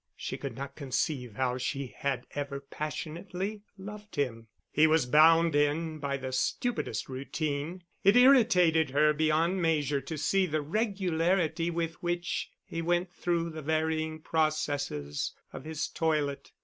She could not conceive how she had ever passionately loved him. He was bound in by the stupidest routine. It irritated her beyond measure to see the regularity with which he went through the varying processes of his toilet.